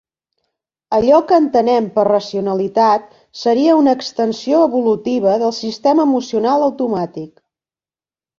Allò que entenem per racionalitat seria una extensió evolutiva del sistema emocional automàtic.